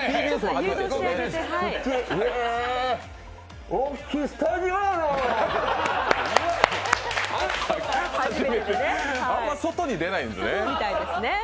あんまり外に出ないんですね。